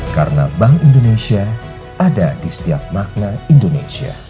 karena bank indonesia ada di setiap makna indonesia